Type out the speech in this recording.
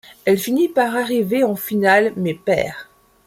Elle finit par arriver en finale mais perd.